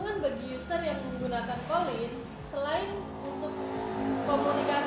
keuntungan bagi user yang menggunakan call in